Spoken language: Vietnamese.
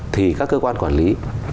thì các cơ quan quản lý